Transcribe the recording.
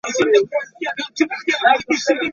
The township is served by Mason Consolidated Schools.